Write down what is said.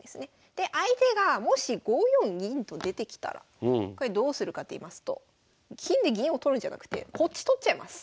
で相手がもし５四銀と出てきたらこれどうするかっていいますと金で銀を取るんじゃなくてこっち取っちゃいます。